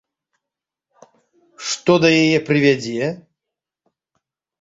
Што да яе прывядзе?